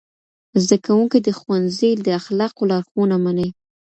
زدهکوونکي د ښوونځي د اخلاقو لارښوونه مني.